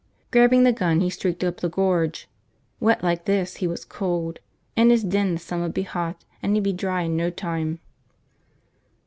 Grabbing the gun, he streaked up the Gorge. Wet like this, he was cold. In his den the sun would be hot and he'd be dry in no time.